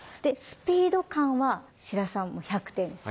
スピード感は白洲さんが１００点です。